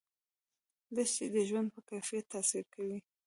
دښتې د ژوند په کیفیت تاثیر کوي.